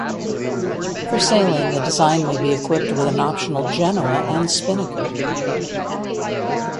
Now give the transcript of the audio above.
For sailing the design may be equipped with an optional genoa and spinnaker.